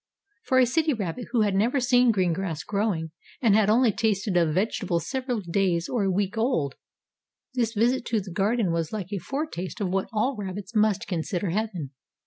For a city rabbit who had never seen green grass growing, and had only tasted of vegetables several days or a week old, this visit to the garden was like a foretaste of what all rabbits must consider heaven.